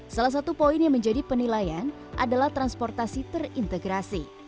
salah satu poin yang menjadi penilaian adalah transportasi terintegrasi